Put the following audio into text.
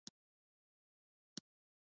د خوست په مندوزیو کې د کرومایټ نښې شته.